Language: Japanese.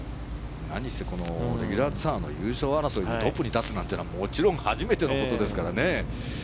何せレギュラーツアーの優勝争いでトップに立つなんていうのはもちろん初めてのことですからね。